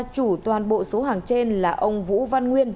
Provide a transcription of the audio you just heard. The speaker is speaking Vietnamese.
chủ toàn bộ số hàng trên là ông vũ văn nguyên